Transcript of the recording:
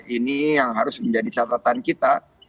ini yang harus menjadi catatan kita